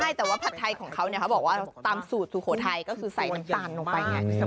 ใช่แต่ว่าผัดไทยของเขาเนี่ยเขาบอกว่าตามสูตรสุโขทัยก็คือใส่น้ำตาลลงไปไง